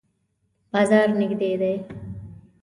بازار نږدې دی؟